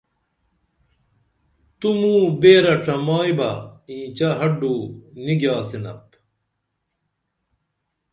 تو موں بیرہ ڇمائی بہ اینچہ ہڈو نی گِیاڅِنپ